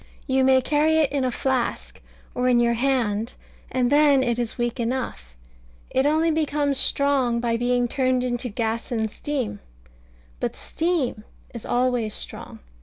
You may carry it in a flask, or in your hand, and then it is weak enough. It only becomes strong by being turned into gas and steam. But steam is always strong.